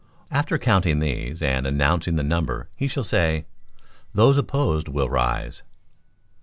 After counting these, and announcing the number, he shall say, "Those opposed will rise."